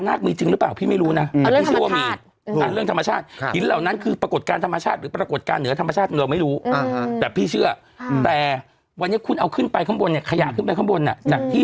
นี้เกิดขึ้นมาพระเค้ามีเชื่อว่าวันที่อือวันศูกข์ที่